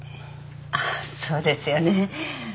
ああそうですよね。